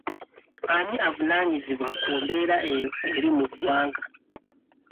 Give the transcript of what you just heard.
Ani avunaanyizibwa ku mbeera eno eri mu ggwanga?